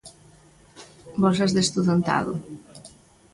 Bolsas de estudantado.